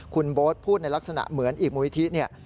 คุณโบ๊ทพูดในลักษณะเหมือนอีกมูลนิธิเนี่ย